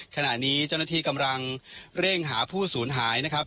ขณะนี้เจ้าหน้าที่กำลังเร่งหาผู้สูญหายนะครับ